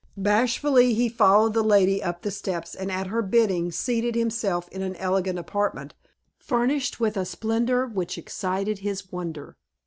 Bashfully, he followed the lady up the steps, and, at her bidding, seated himself in an elegant apartment, furnished with a splendor which excited his wonder.